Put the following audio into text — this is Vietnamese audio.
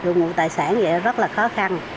đội ngũ tài sản rất là khó khăn